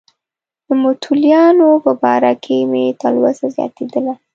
د متولیانو په باره کې مې تلوسه زیاتېدله.